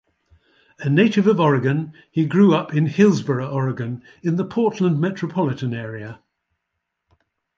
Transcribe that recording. A native of Oregon, he grew-up in Hillsboro, Oregon, in the Portland metropolitan area.